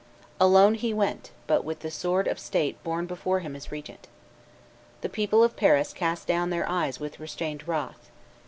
Alone he went, but with the sword of state borne before him as regent. The people of Paris cast down their eyes with restrained wrath.